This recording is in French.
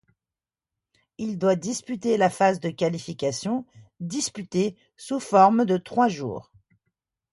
Il doit disputer la phase de qualification, disputée sous forme de trois tours.